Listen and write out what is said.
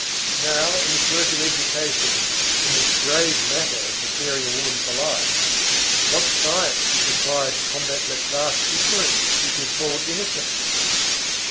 Now, in this work of education, in this grave matter of preparing a woman for life, what science is required to combat that vast ignorance which is called innocence!